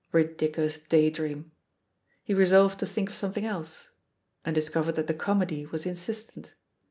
Ridiculous daydream I He resolved to think of something else — and discov ered that the comedy was insistent.